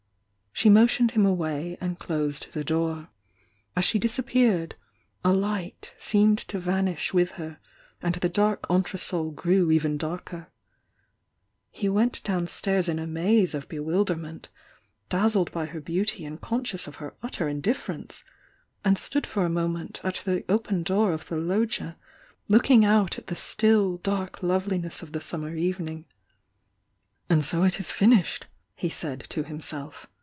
She motioned him away, and closed thd door. As she disappeared, a light seemed to vanish witii her and the dark entresol grew even darker. He went downstairs in a maze of bewilderment, dazzled by her beauty and conscious of her utter indifference, — and stood for a moment at the open door of the loggia, looking out at the still, dark loveliness of the summer evening. "And BO it is finished!" he said to himself.